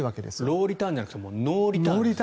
ローリターンじゃなくてノーリターン。